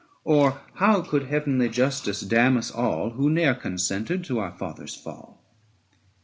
Or how could heavenly justice damn us all Who ne'er consented to our father's fall?